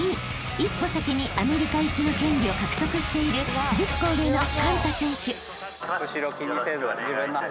［一歩先にアメリカ行きの権利を獲得している１０個上のＫＡＮＴＡ選手］